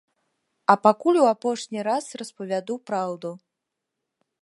А пакуль у апошні раз распавяду праўду.